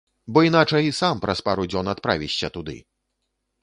Бо іначай сам праз пару дзён адправішся туды!